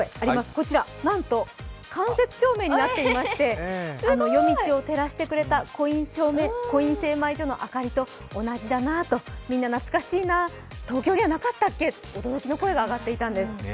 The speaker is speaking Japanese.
こちらなんと間接照明になっていまして、夜道を照らしてくれたコイン精米所の明かりと同じだなと、みんな懐かしいな、東京ではなかったっけと驚きの声が上がっていたんです。